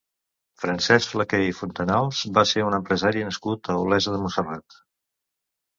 Francesc Flaqué i Fontanals va ser un empresari nascut a Olesa de Montserrat.